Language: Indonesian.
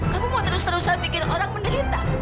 kamu mau terus terusan bikin orang menderita